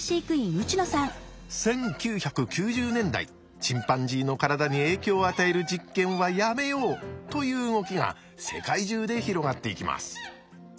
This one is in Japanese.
１９９０年代チンパンジーの体に影響を与える実験はやめようという動きが世界中で広がっていきます。